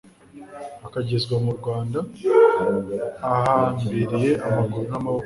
akagezwa mu Rwanda ahambiriye amaguru n'amaboko,